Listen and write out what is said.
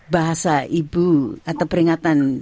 bahasa ibu atau peringkatan